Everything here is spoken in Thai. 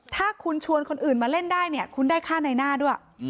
ถ้าคุณชวนคนอื่นมาเล่นได้เนี่ยคุณได้ค่าในหน้าด้วย